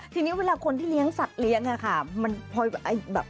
ทีนี้เวลาคนที่เลี้ยงสัตว์เลี้ยงนี่ค่ะ